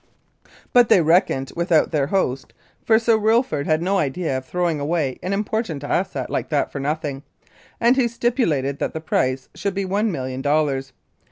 But they reckoned without their 'host, for Sir Wilfrid had no idea of throwing away an important asset like that for nothing, and he stipulated that the price should be one million dollars.